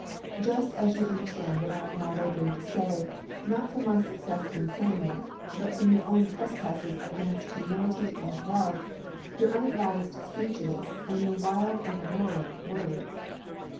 Just as you understand what I am now labouring to say, not from my success in saying it, but from your own trespasses against humility and love, your unadvised speeches, and your wild and whirling words.